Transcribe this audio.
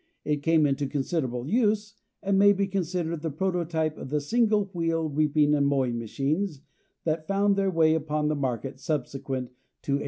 It came into considerable use, and may be considered the prototype of the single wheel reaping and mowing machines that found their way upon the market subsequent to 1840.